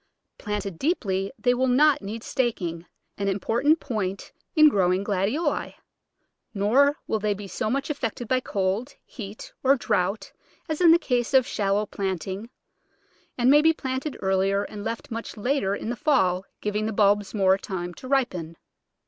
Planted deeply they will not need staking — an important point in growing Glad ioli ; nor will they be so much affected by cold, heat, or draught as in the case of shallow planting, and may be planted earlier and left much later in the fall, giv ing the bulbs more time to ripen.